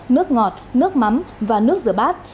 nước ngọt nước mắm và nước rửa bát